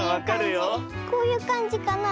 こういうかんじかな。